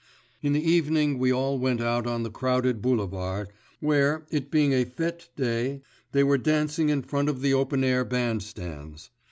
In the evening we all went out on the crowded Boulevard, where, it being a fête day, they were dancing in front of the open air band stands.